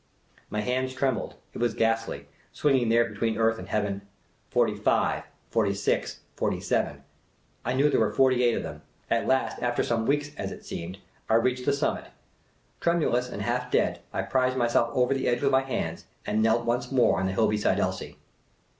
My hands trembled ; it was ghastly, swinging there between earth and heav^en. Forty five, forty six, forty seven — I knew there were forty eight of them. At las' •'ter some weeks, as it seemed, I reached the summit. Treniiuous and half dead, I prised myself over the edge with my hands, and knelt once more on the hill be side Elsie.